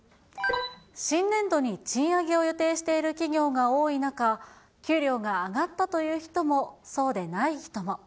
新年度に賃上げを予定している企業が多い中、給料が上がったという人も、そうでない人も。